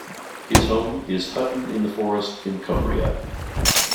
His home is Hutton-in-the-Forest in Cumbria.